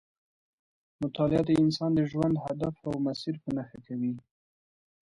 مطالعه د انسان د ژوند هدف او مسیر په نښه کوي.